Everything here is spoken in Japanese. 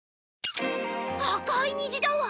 赤い虹だわ。